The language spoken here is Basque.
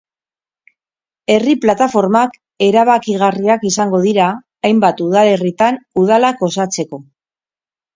Herri plataformak erabakigarriak izango dira hainbat udalerritan udalak osatzeko.